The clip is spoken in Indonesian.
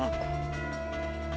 yang papa peduli cuma